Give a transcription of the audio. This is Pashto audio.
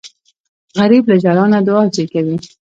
غریب له ژړا نه دعا زېږوي